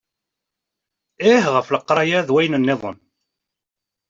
Ih ɣef leqraya d wayen-nniḍen.